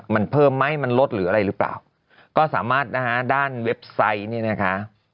มันเพิ่มไหมมันลดหรืออะไรหรือเปล่าก็สามารถนะฮะด้านเว็บไซต์เนี่ยนะคะ